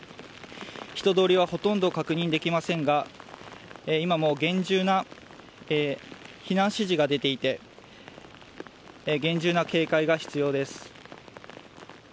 人通りほとんど確認できませんが避難指示が出ていて厳重な警戒が必要です。